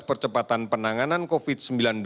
percepatan penanganan covid sembilan belas